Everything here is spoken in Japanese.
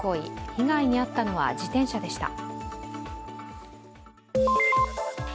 被害に遭ったのは自転車でした。